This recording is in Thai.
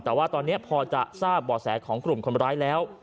แต่ว่าตอนนี้พอจะทราบบ่อแสของกลุ่มคนร้ายแล้ว